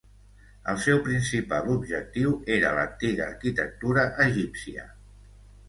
El seu principal objectiu era l'antiga arquitectura egípcia.